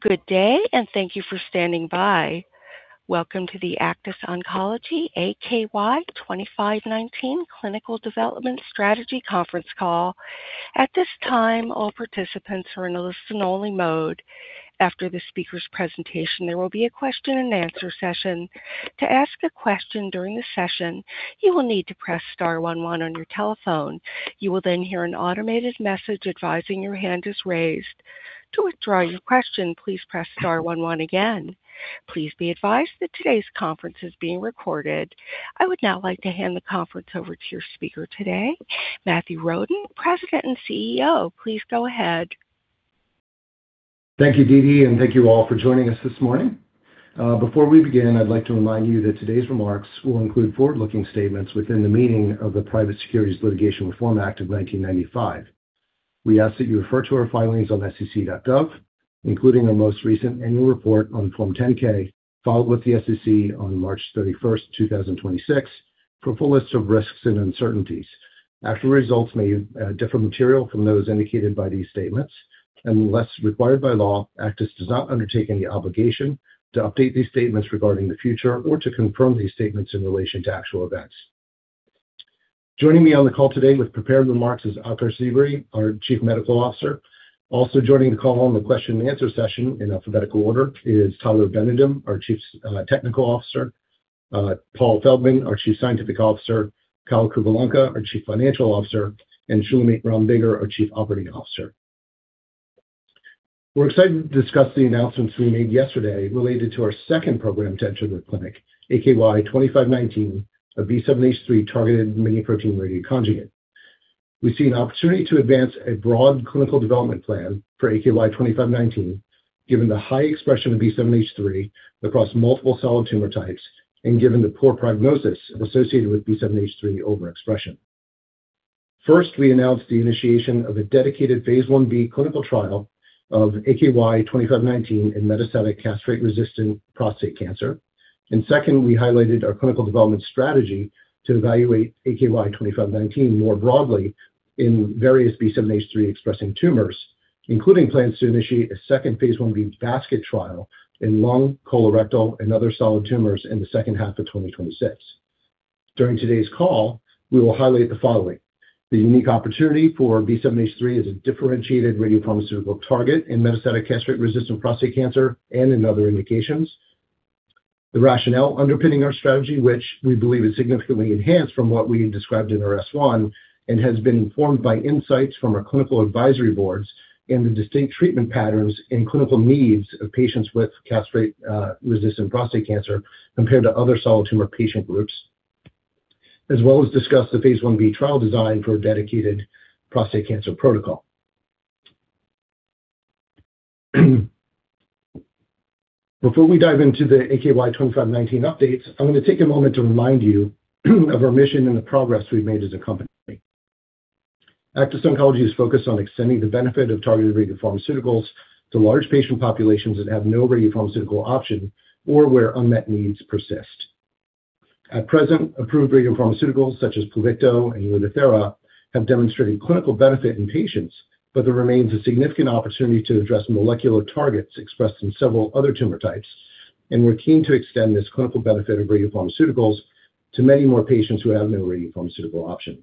Good day, and thank you for standing by. Welcome to the Aktis Oncology AKY-2519 Clinical Development Strategy conference call. At this time, all participants are in a listen-only mode. After the speaker's presentation, there will be a question-and-answer session. To ask a question during the session you will need to press star one one on your telephone, you will then hear an automated message advising your hand is raised. To withdraw you question please press star one one again. Please be advised that today's conference is being recorded. I would now like to hand the conference over to your speaker today, Matthew Roden, President and CEO. Please go ahead. Thank you, Dee Dee, and thank you all for joining us this morning. Before we begin, I'd like to remind you that today's remarks will include forward-looking statements within the meaning of the Private Securities Litigation Reform Act of 1995. We ask that you refer to our filings on sec.gov, including our most recent annual report on Form 10-K, filed with the SEC on March 31st, 2026 for a full list of risks and uncertainties. Actual results may differ material from those indicated by these statements. Unless required by law, Aktis does not undertake any obligation to update these statements regarding the future or to confirm these statements in relation to actual events. Joining me on the call today with prepared remarks is Akos Czibere, our Chief Medical Officer. Also joining the call on the question and answer session in alphabetical order is Tyler Benedum, our Chief Technical Officer, Paul Feldman, our Chief Scientific Officer, Kyle Kuvalanka, our Chief Financial Officer, and Shulamit Ron-Bigger, our Chief Operating Officer. We're excited to discuss the announcements we made yesterday related to our second program to enter the clinic, AKY-2519, a B7-H3 targeted miniprotein radioconjugate. We see an opportunity to advance a broad clinical development plan for AKY-2519, given the high expression of B7-H3 across multiple solid tumor types and given the poor prognosis associated with B7-H3 overexpression. First, we announced the initiation of a dedicated phase I-B clinical trial of AKY-2519 in metastatic castration-resistant prostate cancer. Second, we highlighted our clinical development strategy to evaluate AKY-2519 more broadly in various B7-H3 expressing tumors, including plans to initiate a second phase I-B basket trial in lung, colorectal, and other solid tumors in the second half of 2026. During today's call, we will highlight the following. The unique opportunity for B7-H3 as a differentiated radiopharmaceutical target in metastatic castrate-resistant prostate cancer and in other indications. The rationale underpinning our strategy, which we believe is significantly enhanced from what we described in our S-1 and has been informed by insights from our clinical advisory boards in the distinct treatment patterns and clinical needs of patients with castrate-resistant prostate cancer compared to other solid tumor patient groups. As well as discuss the phase I-B trial design for a dedicated prostate cancer protocol. Before we dive into the AKY-2519 updates, I'm gonna take a moment to remind you of our mission and the progress we've made as a company. Aktis Oncology is focused on extending the benefit of targeted radiopharmaceuticals to large patient populations that have no radiopharmaceutical option or where unmet needs persist. At present, approved radiopharmaceuticals such as Pluvicto and Lutathera have demonstrated clinical benefit in patients. There remains a significant opportunity to address molecular targets expressed in several other tumor types. We're keen to extend this clinical benefit of radiopharmaceuticals to many more patients who have no radiopharmaceutical option.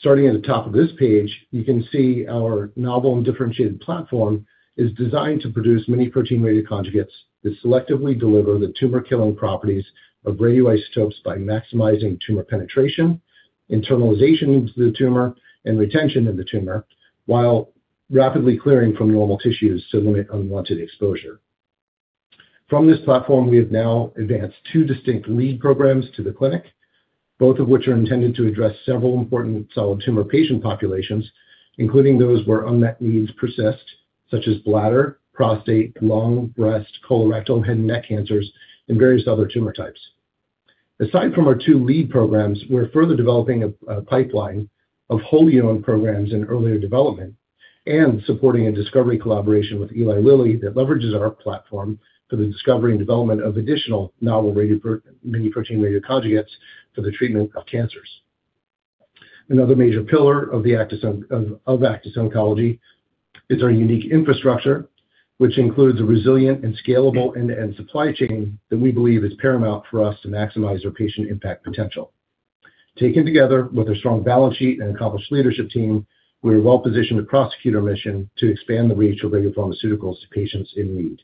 Starting at the top of this page, you can see our novel and differentiated platform is designed to produce miniprotein radioconjugates that selectively deliver the tumor-killing properties of radioisotopes by maximizing tumor penetration, internalization into the tumor, and retention in the tumor, while rapidly clearing from normal tissues to limit unwanted exposure. From this platform, we have now advanced two distinct lead programs to the clinic, both of which are intended to address several important solid tumor patient populations, including those where unmet needs persist, such as bladder, prostate, lung, breast, colorectal, head and neck cancers, and various other tumor types. Aside from our two lead programs, we're further developing a pipeline of wholly-owned programs in earlier development and supporting a discovery collaboration with Eli Lilly that leverages our platform for the discovery and development of additional novel miniprotein radioconjugates for the treatment of cancers. Another major pillar of Aktis Oncology is our unique infrastructure, which includes a resilient and scalable end-to-end supply chain that we believe is paramount for us to maximize our patient impact potential. Taken together with a strong balance sheet and accomplished leadership team, we are well-positioned to prosecute our mission to expand the reach of radiopharmaceuticals to patients in need.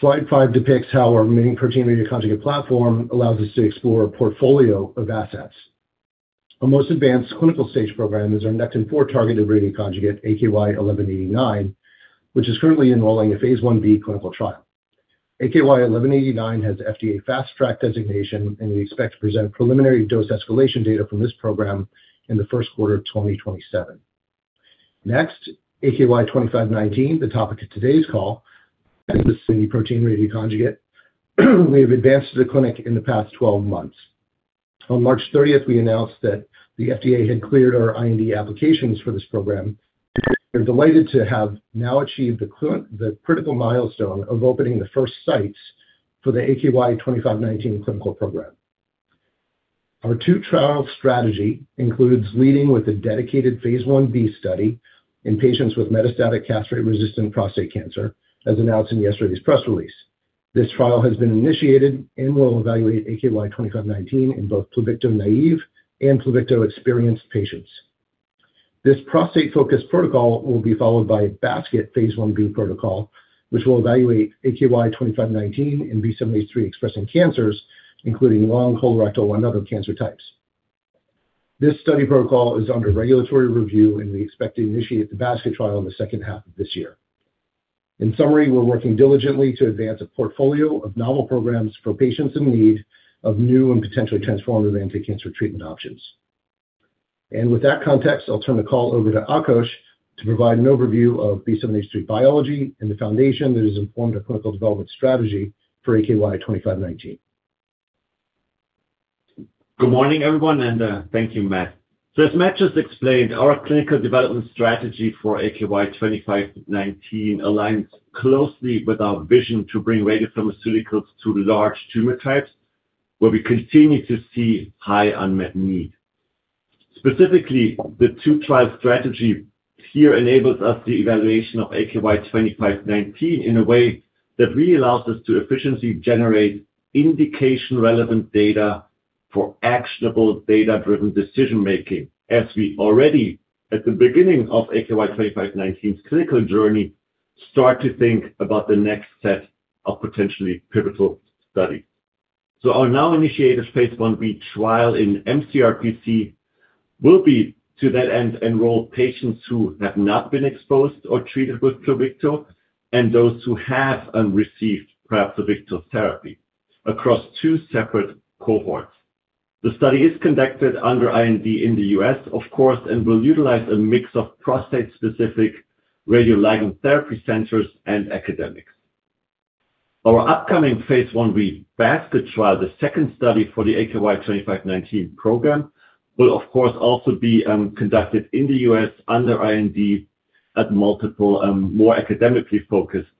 Slide 5 depicts how our miniprotein radioconjugate platform allows us to explore a portfolio of assets. Our most advanced clinical stage program is our Nectin-4 targeted radioconjugate, AKY-1189, which is currently enrolling a phase I-B clinical trial. AKY-1189 has FDA Fast Track designation, and we expect to present preliminary dose escalation data from this program in the first quarter of 2027. Next, AKY-2519, the topic of today's call, and this miniprotein radioconjugate we have advanced to the clinic in the past 12 months. On March 30th, we announced that the FDA had cleared our IND applications for this program. We're delighted to have now achieved the critical milestone of opening the first sites for the AKY-2519 clinical program. Our two-trial strategy includes leading with a dedicated phase I-B study in patients with metastatic castration-resistant prostate cancer, as announced in yesterday's press release. This trial has been initiated and will evaluate AKY2519 in both Pluvicto naïve and Pluvicto-experienced patients. This prostate-focused protocol will be followed by a basket phase I-B protocol, which will evaluate AKY2519 in B7-H3-expressing cancers, including lung, colorectal, and other cancer types. This study protocol is under regulatory review. We expect to initiate the basket trial in the second half of this year. In summary, we're working diligently to advance a portfolio of novel programs for patients in need of new and potentially transformative anti-cancer treatment options. With that context, I'll turn the call over to Akos to provide an overview of B7-H3 biology and the foundation that has informed our clinical development strategy for AKY-2519. Good morning, everyone, and thank you, Matt. As Matt just explained, our clinical development strategy for AKY-2519 aligns closely with our vision to bring radiopharmaceuticals to large tumor types where we continue to see high unmet need. Specifically, the two-trial strategy here enables us the evaluation of AKY-2519 in a way that really allows us to efficiently generate indication-relevant data for actionable data-driven decision-making as we already, at the beginning of AKY-2519's clinical journey, start to think about the next set of potentially pivotal studies. Our now-initiated phase I-B trial in mCRPC will be, to that end, enroll patients who have not been exposed or treated with Pluvicto and those who have and received perhaps Pluvicto therapy across two separate cohorts. The study is conducted under IND in the U.S., of course, and will utilize a mix of prostate-specific radioligand therapy centers and academics. Our upcoming phase I-B basket trial, the second study for the AKY-2519 program, will of course also be conducted in the U.S. under IND at multiple, more academically focused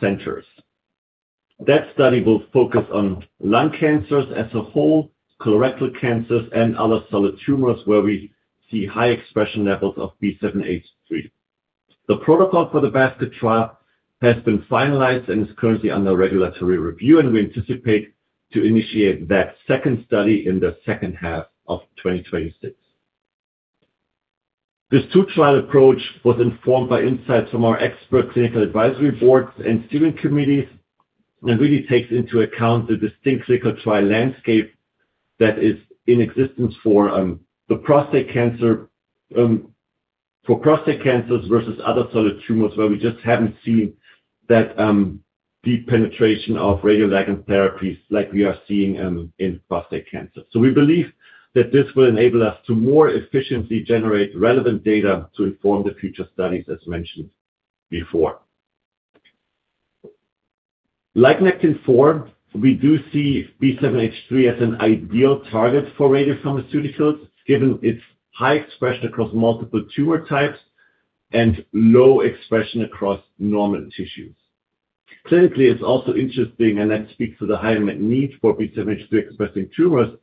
centers. That study will focus on lung cancers as a whole, colorectal cancers, and other solid tumors where we see high expression levels of B7-H3. The protocol for the basket trial has been finalized and is currently under regulatory review, and we anticipate to initiate that second study in the second half of 2026. This two-trial approach was informed by insights from our expert clinical advisory boards and steering committees and really takes into account the distinct clinical trial landscape that is in existence for the prostate cancer, for prostate cancers versus other solid tumors where we just haven't seen that deep penetration of radioligand therapies like we are seeing in prostate cancer. We believe that this will enable us to more efficiently generate relevant data to inform the future studies, as mentioned before. Like Nectin-4, we do see B7-H3 as an ideal target for radiopharmaceuticals, given its high expression across multiple tumor types and low expression across normal tissues. Clinically, it's also interesting, and that speaks to the high unmet need for B7-H3-expressing tumors,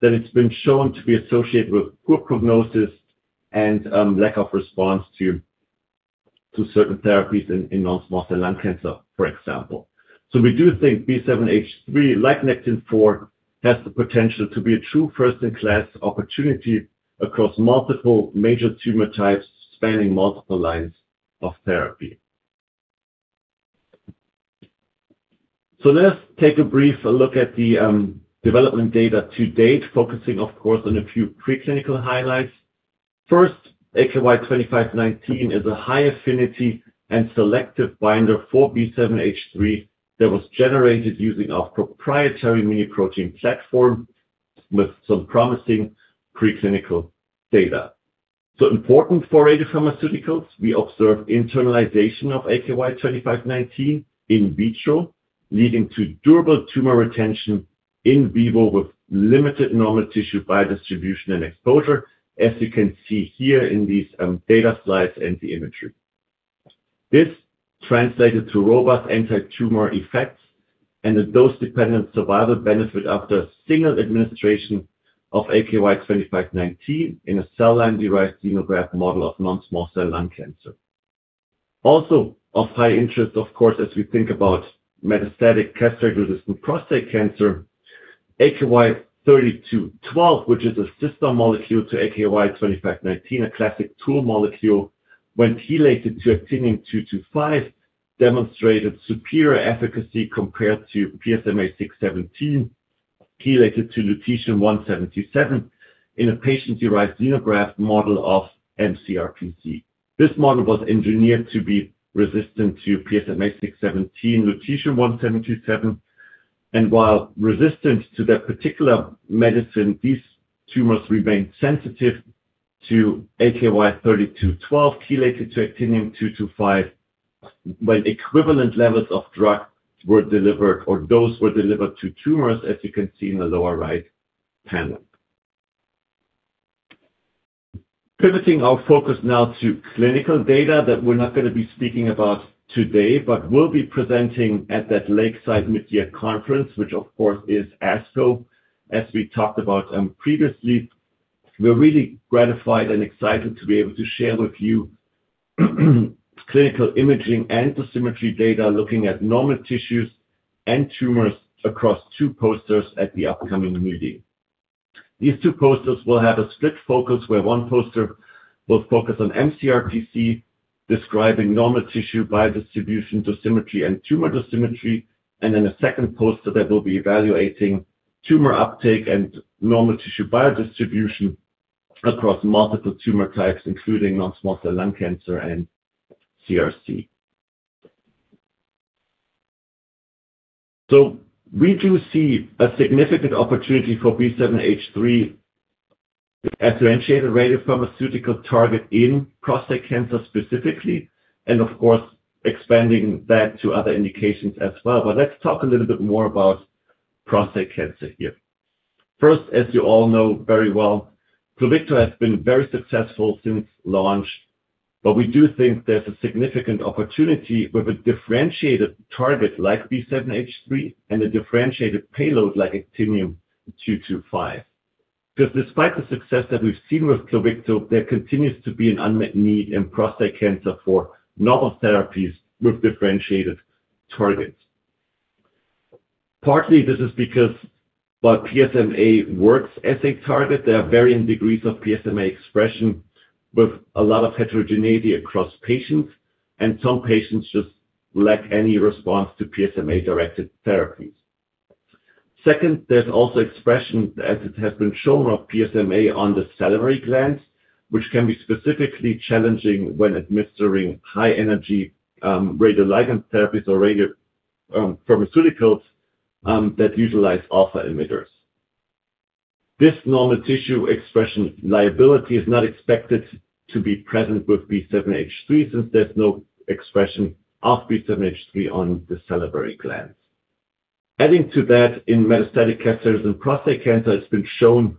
that it's been shown to be associated with poor prognosis and lack of response to certain therapies in non-small cell lung cancer, for example. We do think B7-H3, like Nectin-4, has the potential to be a true first-in-class opportunity across multiple major tumor types spanning multiple lines of therapy. Let's take a brief look at the development data to date, focusing of course on a few preclinical highlights. AKY-2519 is a high-affinity and selective binder for B7-H3 that was generated using our proprietary miniprotein platform with some promising preclinical data. Important for radiopharmaceuticals, we observed internalization of AKY-2519 in vitro, leading to durable tumor retention in vivo with limited normal tissue biodistribution and exposure, as you can see here in these data slides and the imagery. This translated to robust anti-tumor effects and a dose-dependent survival benefit after single administration of AKY-2519 in a cell line-derived xenograft model of non-small cell lung cancer. Of high interest, of course, as we think about metastatic castration-resistant prostate cancer, AKY-3212, which is a sister molecule to AKY-2519, a classic tool molecule, when chelated to actinium-225, demonstrated superior efficacy compared to PSMA-617 chelated to lutetium-177 in a patient-derived xenograft model of mCRPC. This model was engineered to be resistant to PSMA-617 lutetium-177. While resistant to that particular medicine, these tumors remained sensitive to AKY-3212 chelated to actinium-225 when equivalent levels of drug were delivered or dose were delivered to tumors, as you can see in the lower right panel. Pivoting our focus now to clinical data that we're not gonna be speaking about today, but will be presenting at that Lakeside [inaudibe] conference, which of course is ASCO, as we talked about previously. We're really gratified and excited to be able to share with you clinical imaging and dosimetry data, looking at normal tissues and tumors across two posters at the upcoming meeting. These two posters will have a strict focus, where one poster will focus on mCRPC, describing normal tissue biodistribution dosimetry and tumor dosimetry, and then a second poster that will be evaluating tumor uptake and normal tissue biodistribution across multiple tumor types, including non-small cell lung cancer and CRC. We do see a significant opportunity for B7-H3 as differentiated radiopharmaceutical target in prostate cancer specifically, and of course, expanding that to other indications as well. Let's talk a little bit more about prostate cancer here. First, as you all know very well, Pluvicto has been very successful since launch, but we do think there's a significant opportunity with a differentiated target like B7-H3 and a differentiated payload like actinium-225. Despite the success that we've seen with Pluvicto, there continues to be an unmet need in prostate cancer for novel therapies with differentiated targets. Partly, this is because while PSMA works as a target, there are varying degrees of PSMA expression with a lot of heterogeneity across patients, and some patients just lack any response to PSMA-directed therapies. Second, there's also expression, as it has been shown, of PSMA on the salivary glands, which can be specifically challenging when administering high energy, radioligand therapies or radiopharmaceuticals that utilize alpha emitters. This normal tissue expression liability is not expected to be present with B7-H3, since there's no expression of B7-H3 on the salivary glands. Adding to that, in metastatic cancers and prostate cancer, it's been shown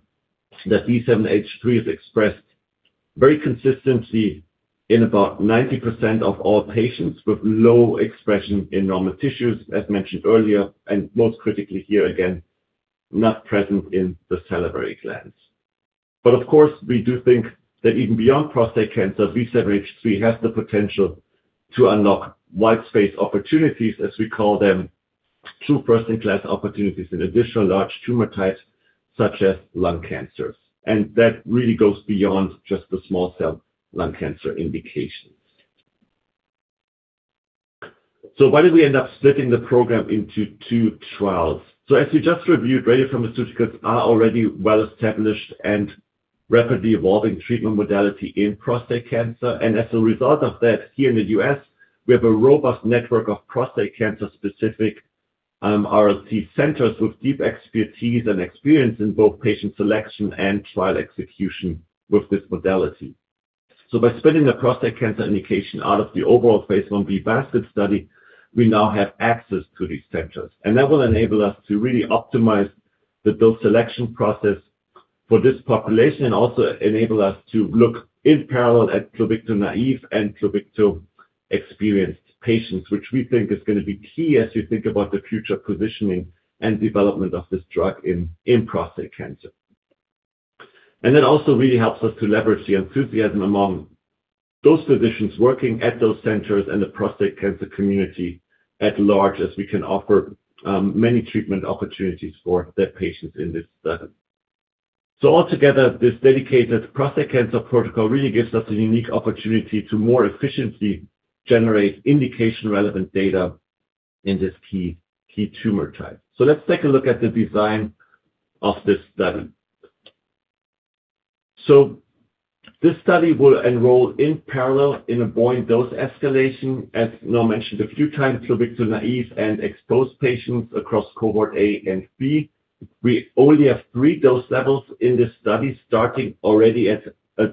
that B7-H3 is expressed very consistently in about 90% of all patients with low expression in normal tissues, as mentioned earlier, and most critically here again, not present in the salivary glands. Of course, we do think that even beyond prostate cancer, B7-H3 has the potential to unlock wide space opportunities, as we call them, true first-in-class opportunities in additional large tumor types such as lung cancers. That really goes beyond just the small cell lung cancer indications. Why did we end up splitting the program into two trials? As we just reviewed, radiopharmaceuticals are already well-established and rapidly evolving treatment modality in prostate cancer. As a result of that, here in the U.S., we have a robust network of prostate cancer-specific RLT centers with deep expertise and experience in both patient selection and trial execution with this modality. By splitting the prostate cancer indication out of the overall phase I-B basket study, we now have access to these centers, and that will enable us to really optimize the build selection process for this population, and also enable us to look in parallel at Pluvicto naive and Pluvicto experienced patients, which we think is gonna be key as you think about the future positioning and development of this drug in prostate cancer. It also really helps us to leverage the enthusiasm among those physicians working at those centers and the prostate cancer community at large, as we can offer many treatment opportunities for their patients in this study. All together, this dedicated prostate cancer protocol really gives us a unique opportunity to more efficiently generate indication-relevant data in this key tumor type. Let's take a look at the design of this study. This study will enroll in parallel in a BOIN dose escalation, as Noah mentioned a few times, Pluvicto naive and exposed patients across cohort A and B. We only have three dose levels in this study, starting already at a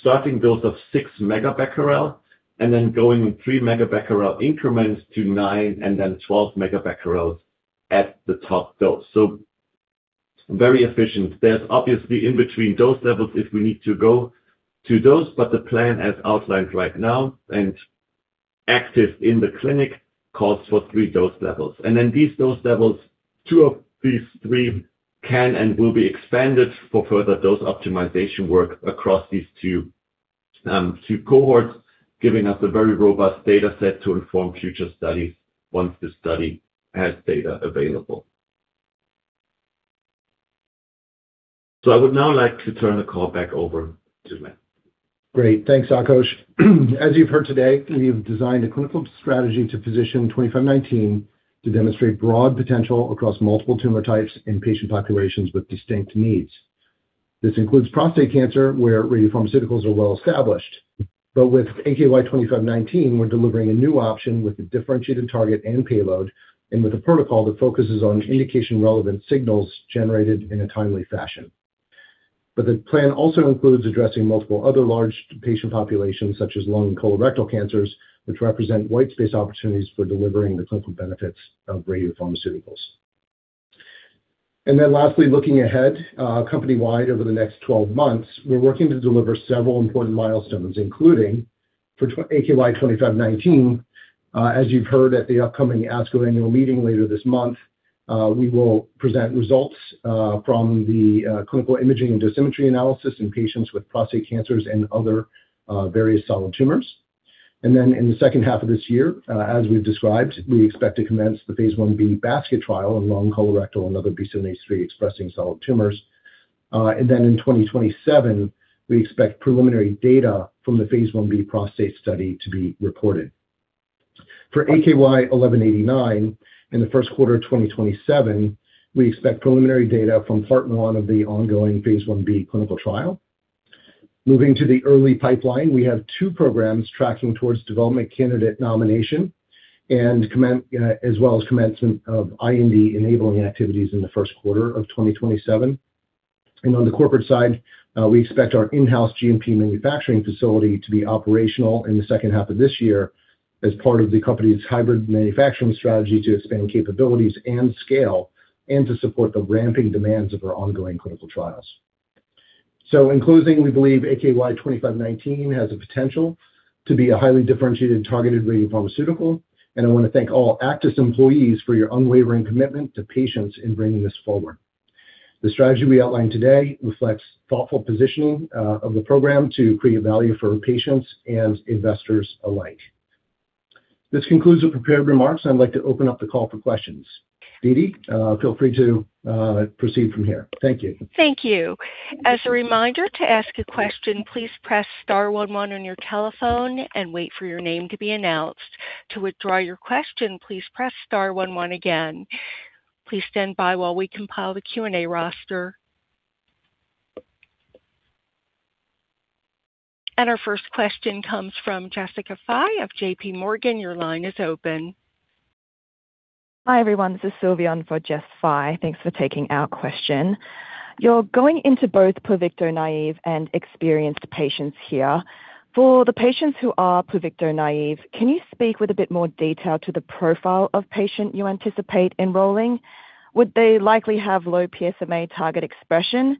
starting dose of 6 MBq, and then going 3 MBq increments to 9 MBq and then 12 MBq at the top dose. Very efficient. There's obviously in between dose levels if we need to go to dose, but the plan as outlined right now and active in the clinic, calls for three dose levels. These dose levels, two of these three can and will be expanded for further dose optimization work across these two cohorts, giving us a very robust data set to inform future studies once the study has data available. I would now like to turn the call back over to Matt. Great. Thanks, Akos Czibere. As you've heard today, we've designed a clinical strategy to position AKY-2519 to demonstrate broad potential across multiple tumor types in patient populations with distinct needs. This includes prostate cancer, where radiopharmaceuticals are well established. With AKY-2519, we're delivering a new option with a differentiated target and payload, and with a protocol that focuses on indication-relevant signals generated in a timely fashion. The plan also includes addressing multiple other large patient populations such as lung and colorectal cancers, which represent wide space opportunities for delivering the clinical benefits of radiopharmaceuticals. Lastly, looking ahead, company-wide over the next 12 months, we're working to deliver several important milestones, including for AKY-2519, as you've heard at the upcoming ASCO Annual Meeting later this month, we will present results from the clinical imaging and dosimetry analysis in patients with prostate cancers and other various solid tumors. In the second half of this year, as we've described, we expect to commence the phase I-B basket trial in lung colorectal and other PSMA expressing solid tumors. In 2027, we expect preliminary data from the phase I-B prostate study to be reported. For AKY-1189, in the first quarter of 2027, we expect preliminary data from part one of the ongoing phase I-B clinical trial. Moving to the early pipeline, we have two programs tracking towards development candidate nomination as well as commencement of IND-enabling activities in the first quarter of 2027. On the corporate side, we expect our in-house GMP manufacturing facility to be operational in the second half of this year as part of the company's hybrid manufacturing strategy to expand capabilities and scale and to support the ramping demands of our ongoing clinical trials. In closing, we believe AKY-2519 has the potential to be a highly differentiated and targeted radiopharmaceutical, and I want to thank all Aktis employees for your unwavering commitment to patients in bringing this forward. The strategy we outlined today reflects thoughtful positioning, of the program to create value for patients and investors alike. This concludes the prepared remarks, and I'd like to open up the call for questions. Dee Dee, feel free to, proceed from here. Thank you. Thank you. As a reminder to ask a question, please press star one one on your telephone and wait for your name to be announced. To withdraw your question, please press star one one again. Please stand by while we compile the Q&A roster. Our first question comes from Jessica Fye of JPMorgan. Your line is open. Hi, everyone. This is Sylvia in for Jess Fye. Thanks for taking our question. You're going into both Pluvicto-naïve and experienced patients here. For the patients who are Pluvicto-naïve, can you speak with a bit more detail to the profile of patient you anticipate enrolling? Would they likely have low PSMA target expression?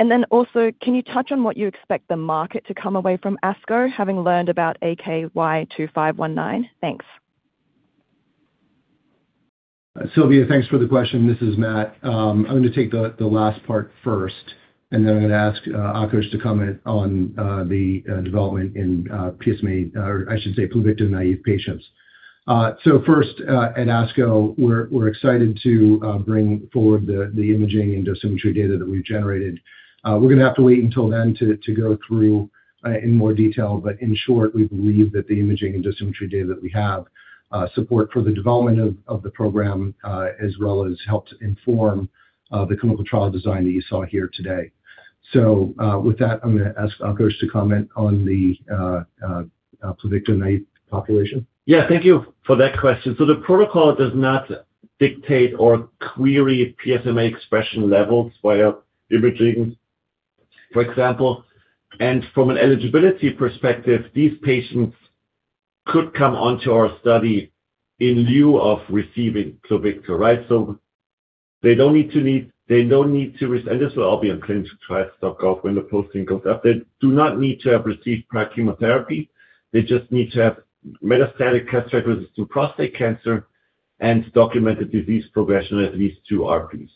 Then also, can you touch on what you expect the market to come away from ASCO, having learned about AKY-2519? Thanks. Sylvia, thanks for the question. This is Matt. I'm gonna take the last part first, and then I'm gonna ask Akos to comment on the development in PSMA, or I should say Pluvicto-naïve patients. First, at ASCO, we're excited to bring forward the imaging and dosimetry data that we've generated. We're gonna have to wait until then to go through in more detail, but in short, we believe that the imaging and dosimetry data that we have support for the development of the program, as well as help to inform the clinical trial design that you saw here today. With that, I'm gonna ask Akos to comment on the Pluvicto-naïve population. Yeah, thank you for that question. The protocol does not dictate or query PSMA expression levels via imaging, for example. From an eligibility perspective, these patients could come onto our study in lieu of receiving Pluvicto right? This will all be on clinicaltrials.gov when the posting goes up. They do not need to have received prior chemotherapy. They just need to have metastatic castration-resistant prostate cancer and documented disease progression at least two ARPIs.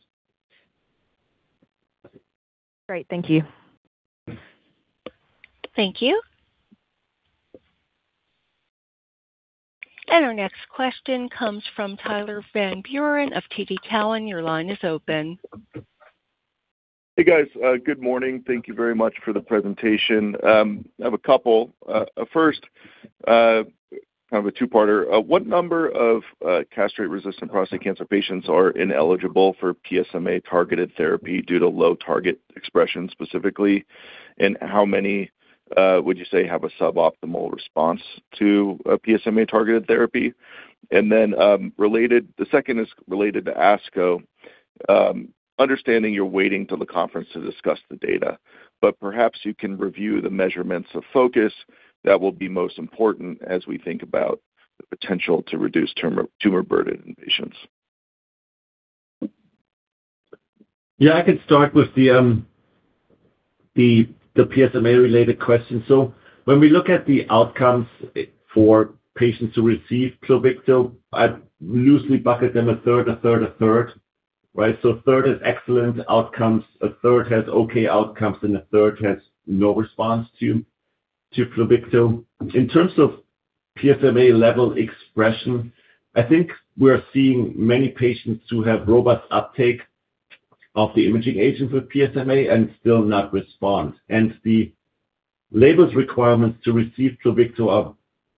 Great. Thank you. Thank you. Our next question comes from Tyler Van Buren of TD Cowen. Your line is open. Hey, guys. Good morning. Thank you very much for the presentation. I have a couple. First, kind of a two-parter. What number of castration-resistant prostate cancer patients are ineligible for PSMA-targeted therapy due to low target expression specifically? How many would you say have a suboptimal response to a PSMA-targeted therapy? The second is related to ASCO. Understanding you're waiting till the conference to discuss the data, but perhaps you can review the measurements of focus that will be most important as we think about the potential to reduce tumor burden in patients. Yeah. I can start with the PSMA-related question. When we look at the outcomes for patients who receive Pluvicto, I loosely bucket them a third, a third, a third, right? A third has excellent outcomes, a third has okay outcomes, and a third has no response to Pluvicto In terms of PSMA level expression, I think we're seeing many patients who have robust uptake of the imaging agent for PSMA and still not respond. The label's requirements to receive Pluvicto are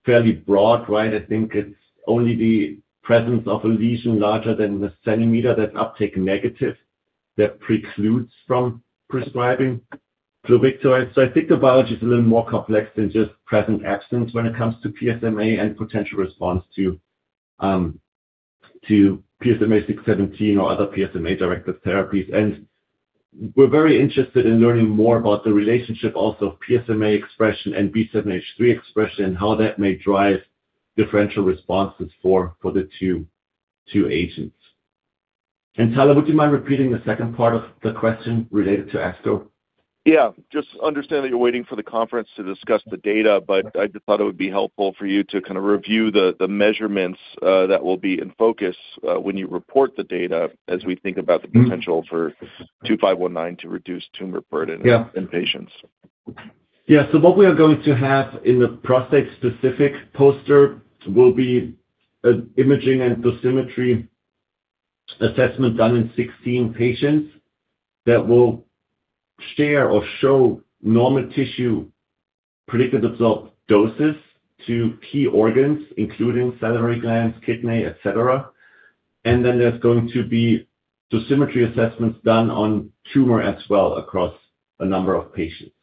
fairly broad, right? I think it's only the presence of a lesion larger than the centimeter that's uptake negative that precludes from prescribing Pluvicto. I think the biology is a little more complex than just present/absent when it comes to PSMA and potential response to PSMA-617 or other PSMA-directed therapies. We're very interested in learning more about the relationship also of PSMA expression and B7-H3 expression, and how that may drive differential responses for the two agents. Tyler, would you mind repeating the second part of the question related to ASCO? Just understand that you're waiting for the conference to discuss the data, but I just thought it would be helpful for you to kind of review the measurements that will be in focus when you report the data as we think about the potential for AKY-2519 to reduce tumor burden. Yeah -in patients. What we are going to have in the prostate-specific poster will be an imaging and dosimetry assessment done in 16 patients that will share or show normal tissue predicted absorbed doses to key organs, including salivary glands, kidney, et cetera. There's going to be dosimetry assessments done on tumor as well across a number of patients.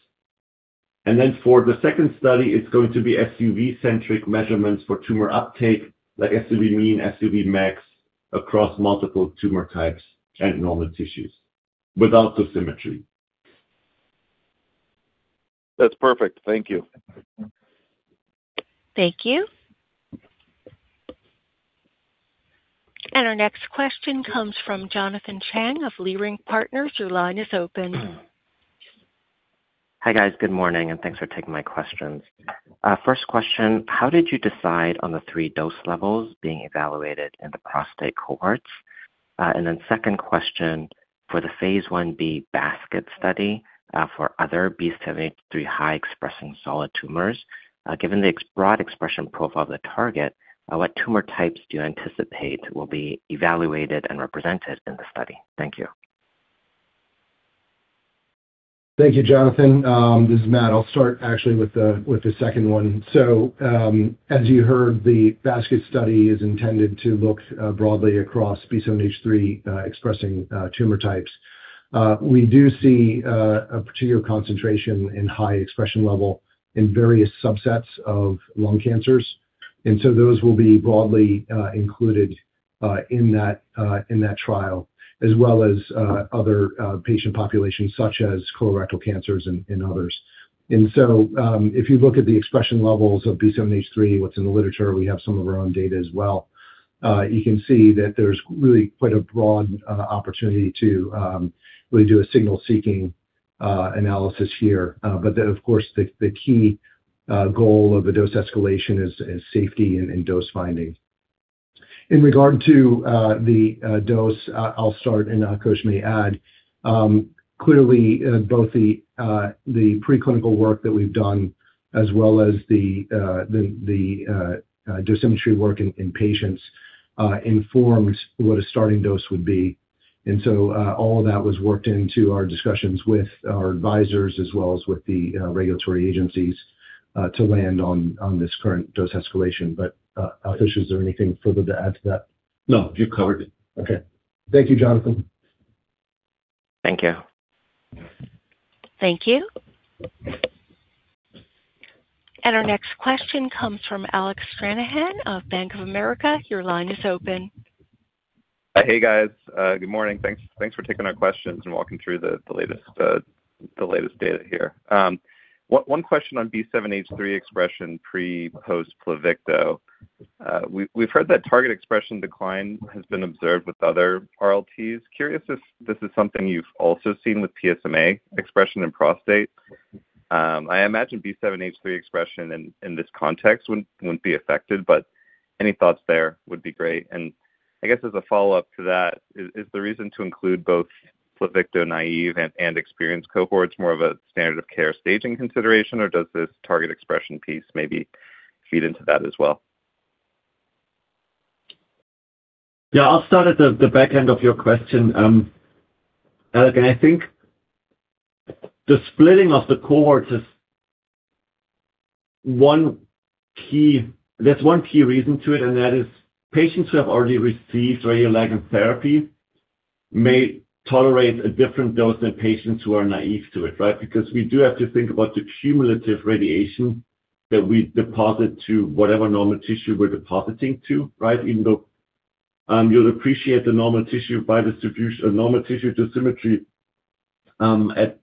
For the second study, it's going to be SUV-centric measurements for tumor uptake, like SUVmean, SUVmax, across multiple tumor types and normal tissues without dosimetry. That's perfect. Thank you. Thank you. Our next question comes from Jonathan Chang of Leerink Partners. Your line is open. Hi, guys. Good morning, and thanks for taking my questions. First question, how did you decide on the three dose levels being evaluated in the prostate cohorts? Second question, for the phase I-B basket study, for other B7-H3 high-expressing solid tumors, given the broad expression profile of the target, what tumor types do you anticipate will be evaluated and represented in the study? Thank you. Thank you, Jonathan. This is Matt. I'll start actually with the second one. As you heard, the basket study is intended to look broadly across B7-H3 expressing tumor types. We do see a particular concentration in high expression level in various subsets of lung cancers, and so those will be broadly included in that trial, as well as other patient populations such as colorectal cancers and others. If you look at the expression levels of B7-H3, what's in the literature, we have some of our own data as well, you can see that there's really quite a broad opportunity to really do a signal-seeking analysis here. Of course, the key goal of the dose escalation is safety and dose finding. In regard to the dose, I'll start and Akos may add, clearly, both the preclinical work that we've done as well as the dosimetry work in patients informs what a starting dose would be. All of that was worked into our discussions with our advisors as well as with the regulatory agencies to land on this current dose escalation. Akos, is there anything further to add to that? No. You covered it. Okay. Thank you, Jonathan. Thank you. Thank you. Our next question comes from Alec Stranahan of Bank of America. Your line is open. Hey, guys. Good morning. Thanks for taking our questions and walking through the latest data here. One question on B7-H3 expression pre/post Pluvicto. We've heard that target expression decline has been observed with other RLTs. Curious if this is something you've also seen with PSMA expression in prostate. I imagine B7-H3 expression in this context wouldn't be affected, but any thoughts there would be great. I guess as a follow-up to that, is the reason to include both Pluvicto naive and experienced cohorts more of a standard of care staging consideration, or does this target expression piece maybe feed into that as well? Yeah. I'll start at the back end of your question. Alec, I think the splitting of the cohorts is one key There's one key reason to it, That is patients who have already received radioligand therapy may tolerate a different dose than patients who are naive to it, right. Because we do have to think about the cumulative radiation that we deposit to whatever normal tissue we're depositing to, right. Even though, you'll appreciate the normal tissue or normal tissue dosimetry at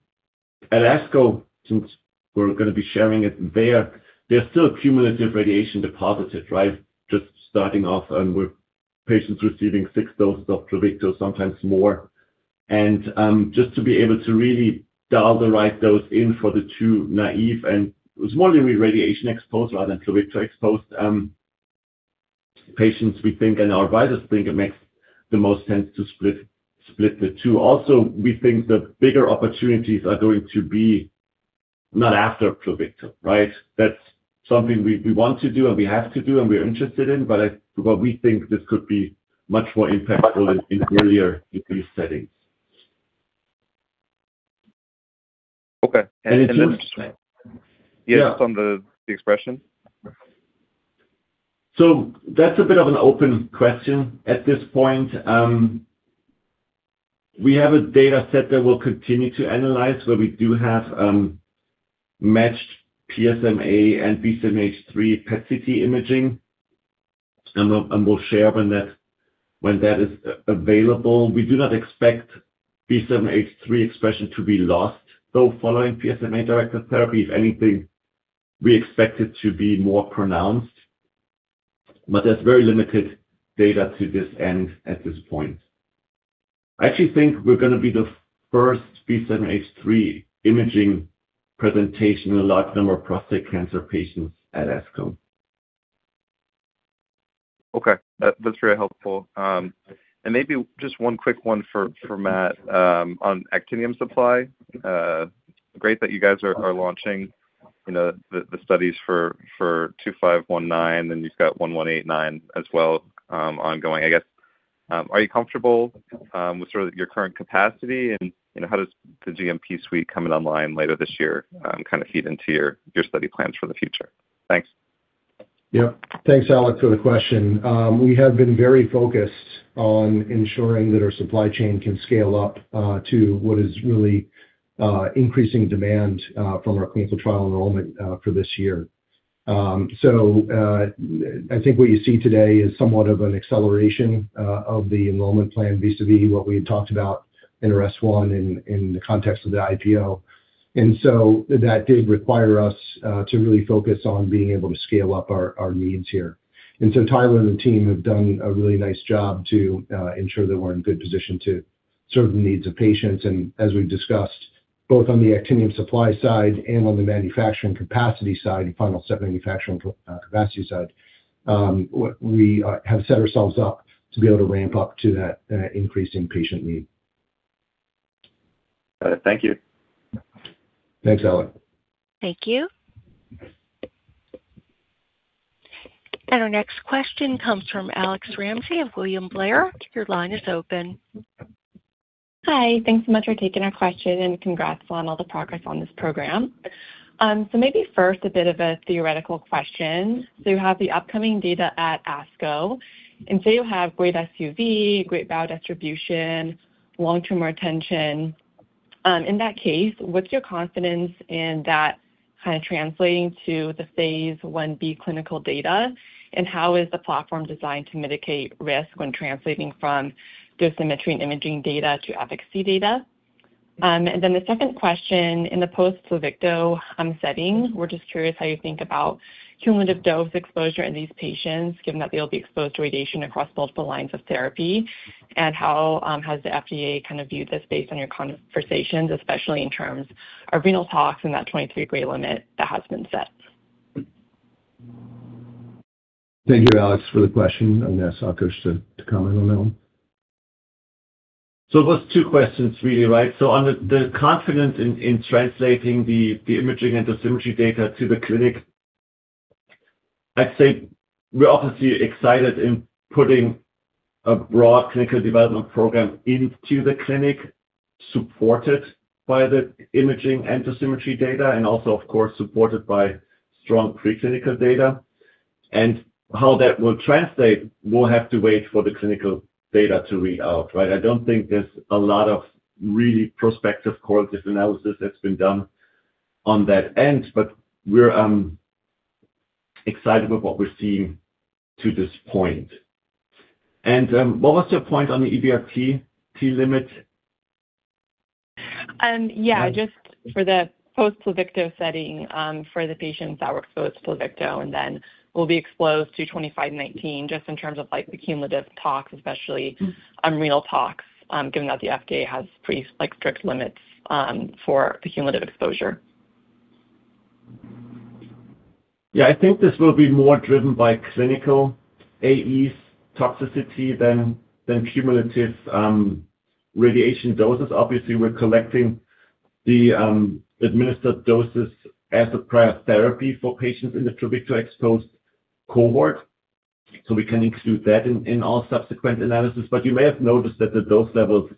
ASCO, since we're gonna be sharing it there's still cumulative radiation deposited, right. Just starting off, with patients receiving six doses of Pluvicto, sometimes more. Just to be able to really dial the right dose in for the two naive and it's more the radiation exposed rather than Pluvicto-exposed patients, we think, and our advisors think it makes the most sense to split the two. We think the bigger opportunities are going to be not after Pluvicto, right? That's something we want to do and we have to do and we're interested in, we think this could be much more impactful in earlier disease settings. Okay. And it seems- Yeah, just on the expression. That's a bit of an open question. At this point, we have a data set that we'll continue to analyze where we do have matched PSMA and B7-H3 PET CT imaging. And we'll share when that is available. We do not expect B7-H3 expression to be lost, though, following PSMA directed therapy. If anything, we expect it to be more pronounced. There's very limited data to this end at this point. I actually think we're going to be the first B7-H3 imaging presentation in a large number of prostate cancer patients at ASCO. Okay. That's very helpful. Maybe just one quick one for Matt on actinium supply. Great that you guys are launching, you know, the studies for AKY-2519, then you've got AKY-1189 as well ongoing. I guess, are you comfortable with sort of your current capacity, and, you know, how does the GMP suite coming online later this year kind of feed into your study plans for the future? Thanks. Yep. Thanks, Alec, for the question. We have been very focused on ensuring that our supply chain can scale up to what is really increasing demand from our clinical trial enrollment for this year. I think what you see today is somewhat of an acceleration of the enrollment plan vis-a-vis what we had talked about in S-1 in the context of the IPO. That did require us to really focus on being able to scale up our needs here. Tyler and the team have done a really nice job to ensure that we're in good position to serve the needs of patients. As we've discussed, both on the actinium supply side and on the manufacturing capacity side, final drug manufacturing capacity side, what we have set ourselves up to be able to ramp up to that increasing patient need. Got it. Thank you. Thanks, Alec. Thank you. Our next question comes from Alex Ramsey of William Blair. Your line is open. Hi. Thanks so much for taking our question, congrats on all the progress on this program. Maybe first a bit of a theoretical question. You have the upcoming data at ASCO, and say you have great SUV, great biodistribution, long-term retention. In that case, what's your confidence in that kind of translating to the phase I-B clinical data? How is the platform designed to mitigate risk when translating from dosimetry and imaging data to efficacy data? The second question, in the post-Pluvicto setting, we're just curious how you think about cumulative dose exposure in these patients, given that they'll be exposed to radiation across multiple lines of therapy. How has the FDA kind of viewed this based on your conversations, especially in terms of renal tox and that 23 gray limit that has been set? Thank you, Alex, for the question, and I'll ask Akos to comment on that one. It was two questions really, right. On the confidence in translating the imaging and dosimetry data to the clinic, I'd say we're obviously excited in putting a broad clinical development program into the clinic supported by the imaging and dosimetry data and also, of course, supported by strong preclinical data. How that will translate, we'll have to wait for the clinical data to read out, right. I don't think there's a lot of really prospective correlative analysis that's been done on that end, but we're excited with what we're seeing to this point. What was your point on the EBRT limit? Just for the post Pluvicto setting, for the patients that were exposed to Pluvicto and then will be exposed to AKY-2519, just in terms of the cumulative tox, especially on renal tox, given that the FDA has pretty strict limits for the cumulative exposure. Yeah. I think this will be more driven by clinical AEs toxicity than cumulative radiation doses. Obviously, we're collecting the administered doses as a prior therapy for patients in the Pluvicto-exposed cohort, so we can include that in all subsequent analysis. You may have noticed that the dose levels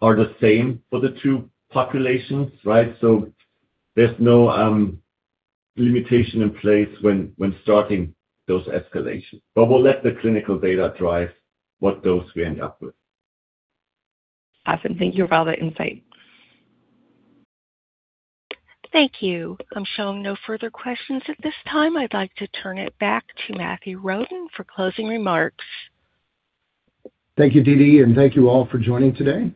are the same for the two populations, right? There's no limitation in place when starting dose escalation. We'll let the clinical data drive what dose we end up with. Awesome. Thank you for all the insight. Thank you. I'm showing no further questions at this time. I'd like to turn it back to Matthew Roden for closing remarks. Thank you, Dee Dee, and thank you all for joining today.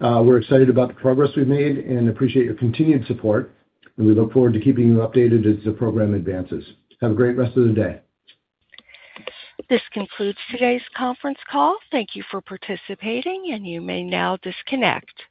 We're excited about the progress we've made and appreciate your continued support, and we look forward to keeping you updated as the program advances. Have a great rest of the day. This concludes today's conference call. Thank you for participating, and you may now disconnect.